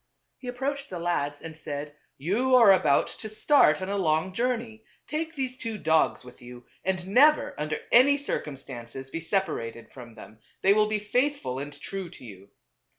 He approached the lads and said, " You are about to start on a long journey ; take these two dogs with you, and never, under any circumstances, be separated from them ; they will be faithful and true to you."